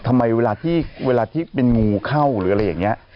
ทำไมเวลาที่เป็นงูเข้าหรืออะไรอย่างนี้